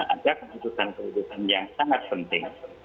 ada keputusan keputusan yang sangat penting